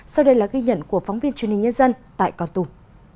sau đây là ghi nhận của phóng viên truyền hình nhân dân tại con tum